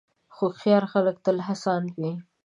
هوښیار خلک تل هڅاند وي.